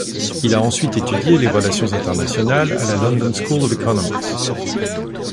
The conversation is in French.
Il a ensuite étudié les relations internationales à la London School of Economics.